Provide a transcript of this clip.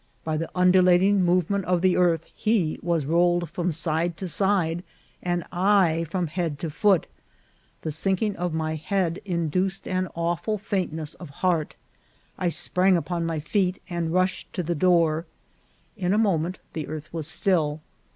By the undulating movement of the earth he was rolled from side to side, and I from head to foot. The sinking of my head induced an awful faintness of heart. I sprang upon my feet and rushed to the door. In a moment the earth was still.